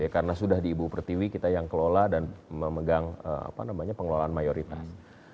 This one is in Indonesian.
karena sudah di ibu pertiwi kita yang kelola dan memegang pengelolaan mayoritas